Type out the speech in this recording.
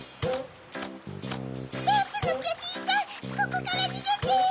ここからにげて！